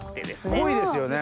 濃いですよね。